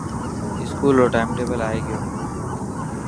اسڪول رو ٽائم ٽيبل آي گيو.